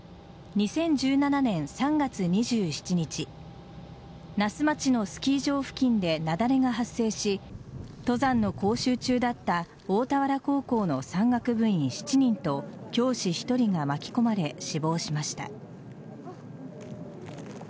２０１７年３月２７日那須町のスキー場付近で雪崩が発生し登山の講習中だった大田原高校の山岳部員７人と教師１人が巻き込まれ死亡しました。